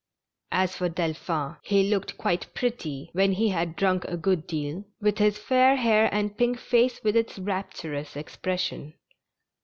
As for Delphin, he looked quite pretty when he had drunk a good deal, with his fair hair and pink face with its rapturous expression.